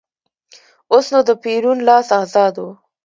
اوس نو د پېرون لاس ازاد و.